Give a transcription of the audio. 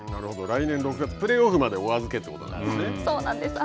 来年６月プレーオフまでお預けということなんですね？